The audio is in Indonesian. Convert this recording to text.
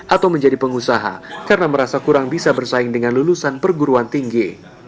atau menjadi pengusaha karena merasa kurang bisa bersaing dengan lulusan perguruan tinggi